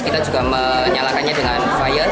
kita juga menyalakannya dengan fire